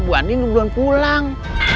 bu andi belum pulang